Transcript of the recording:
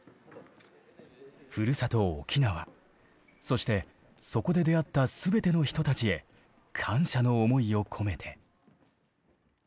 ふるさと沖縄そしてそこで出会った全ての人たちへ感謝の思いを込めて。